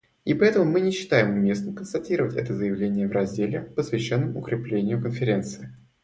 И поэтому мы не считаем уместным констатировать это заявление в разделе, посвященном укреплению Конференции.